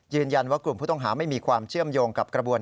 ว่ากลุ่มผู้ต้องหาไม่มีความเชื่อมโยงกับกระบวน